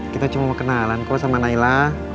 kita cuma mau kenalan ko sama naila